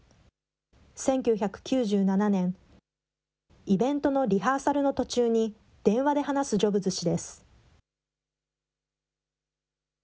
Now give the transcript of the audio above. １９９７年、イベントのリハーサルの途中に、電話で話すジョブズ氏です。